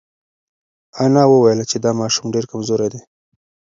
انا وویل چې دا ماشوم ډېر کمزوری دی.